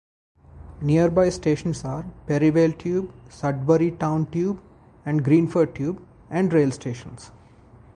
Nearby stations are Perivale tube, Sudbury Town tube and Greenford tube and rail stations.